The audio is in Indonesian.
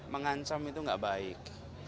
mengancam itu nggak baik